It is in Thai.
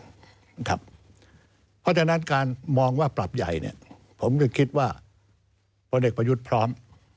เพราะฉะนั้นการมองว่าปรับใหญ่เนี่ยผมก็คิดว่าพลเอกประยุทธ์พร้อม